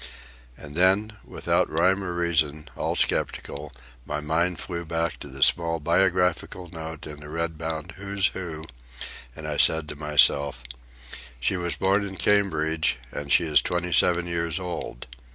And then, without rhyme or reason, all sceptical, my mind flew back to a small biographical note in the red bound Who's Who, and I said to myself, "She was born in Cambridge, and she is twenty seven years old."